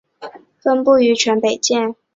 分布于全北界。